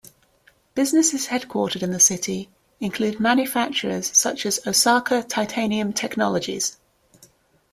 Businesses headquartered in the city include manufacturers such as Osaka Titanium Technologies.